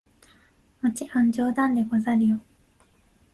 もちろん冗談でござるよ！